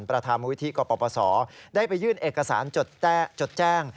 ประธานมูลวิธีกรปศได้ไปยื่นเอกสารจดแจ้ง